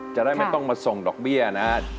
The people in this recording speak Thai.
จะได้ไม่ต้องมาส่งดอกเบี้ยนะครับ